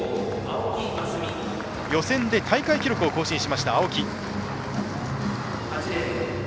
予選で大会記録を更新しました青木。